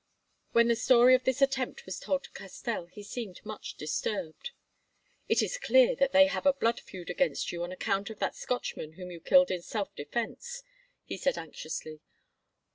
When the story of this attempt was told to Castell he seemed much disturbed. "It is clear that they have a blood feud against you on account of that Scotchman whom you killed in self defence," he said anxiously.